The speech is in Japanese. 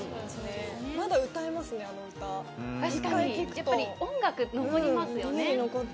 やっぱり音楽残りますよね。